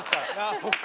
そっか。